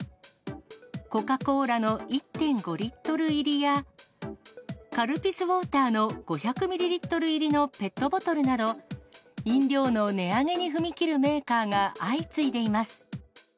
コカ・コーラの１．５リットル入りや、カルピスウォーターの５００ミリリットル入りのペットボトルなど、飲料の値上げに踏み切るメーカーが相次いでいます。